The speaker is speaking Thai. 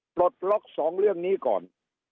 ปลดล็อกสองเรื่องนี้ก่อน